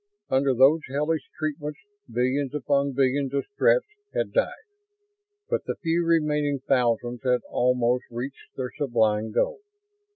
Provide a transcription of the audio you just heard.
Under those hellish treatments billions upon billions of Stretts had died. But the few remaining thousands had almost reached their sublime goal.